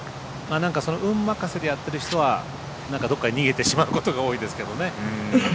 運任せでやってる人はどこかに逃げてしまうことが多いですけどね。